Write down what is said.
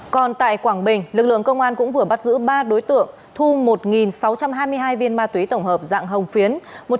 còn tại quảng bình lực lượng công an cũng vừa bắt giữ ba đối tượng thu một sáu trăm hai mươi hai viên ma túy tổng hợp dạng hồng phiến